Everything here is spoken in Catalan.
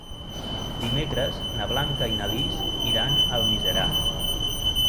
Dimecres na Blanca i na Lis iran a Almiserà.